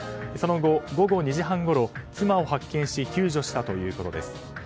その後、午後２時半ごろ妻を発見し救助したということです。